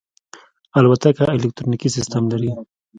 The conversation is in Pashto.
الوتکه الکترونیکي سیستم لري.